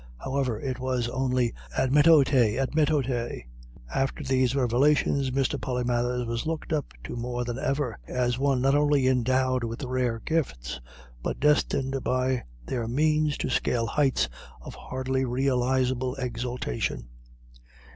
However, it was only "Admitto te admitto te." After these revelations Mr. Polymathers was looked up to more than ever, as one not only endowed with rare gifts, but destined by their means to scale heights of hardly realisable exaltation.